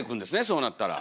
そうなったら。